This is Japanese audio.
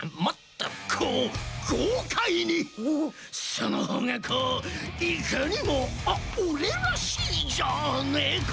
そのほうがこういかにもあっオレらしいじゃねえか？